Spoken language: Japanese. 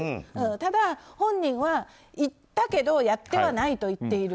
ただ、本人は行ったけどやってはいないと言っている。